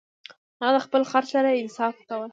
هغه د خپل خر سره انصاف کاوه.